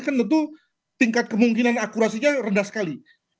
kan tentu tingkat kemungkinan akurasinya rendah sekali